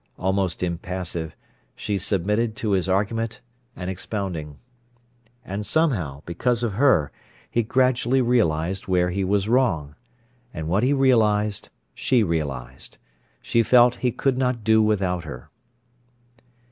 Almost impassive, she submitted to his argument and expounding. And somehow, because of her, he gradually realised where he was wrong. And what he realised, she realised. She felt he could not do without her.